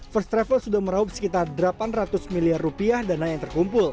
first travel sudah merahup sekitar rp delapan ratus miliar